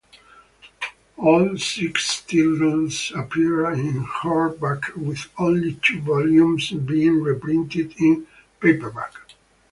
All six titles appeared in hardback with only two volumes being reprinted in paperback.